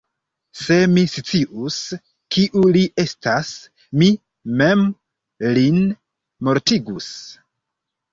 Se mi scius, kiu li estas, mi mem lin mortigus!